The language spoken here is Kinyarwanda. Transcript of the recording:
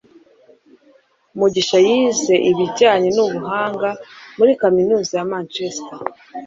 Mugisha yize ibijyanye n'ubuhanga muri kaminuza ya Manchester